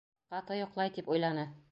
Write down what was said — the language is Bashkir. Ҡаты йоҡлай, тип уйланы.